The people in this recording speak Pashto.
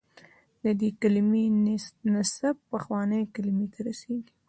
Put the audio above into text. د دې کلمې نسب پخوانۍ کلمې ته رسېږي.